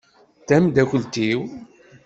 D tamdakelt-iw.